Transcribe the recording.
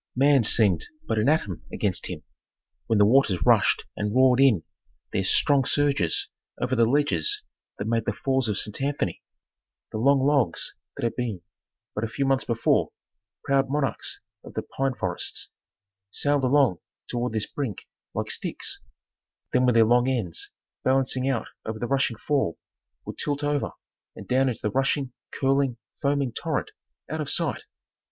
Man seemed but an atom against Him, when the waters rushed and roared in their strong surges over the ledges that made the Falls of St. Anthony; the long logs that had been, but a few months before, proud monarchs of the pine forests, sailed along toward this brink like sticks, then with their long ends balancing out over the rushing fall would tilt over and down into the rushing, curling, foaming torrent out of sight.